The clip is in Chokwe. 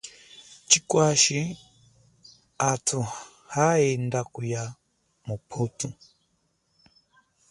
Chikwashi athu haenda kuya muputhu.